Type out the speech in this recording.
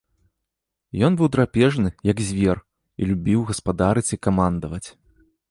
Ён быў драпежны, як звер, і любіў гаспадарыць і камандаваць.